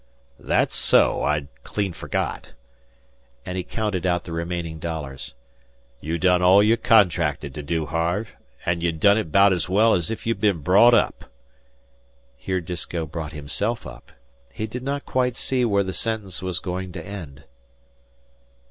"Thet's so; I'd clean forgot"; and he counted out the remaining dollars. "You done all you contracted to do, Harve; and you done it 'baout's well as if you'd been brought up " Here Disko brought himself up. He did not quite see where the sentence was going to end.